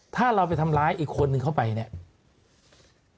ถ้าเราไปทำร้ายอีกคนนึงเข้าไปเนี่ย